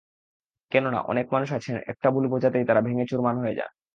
কেননা, অনেক মানুষ আছেন, একটু ভুল বোঝাতেই যাঁরা ভেঙে চুরমার হয়ে যান।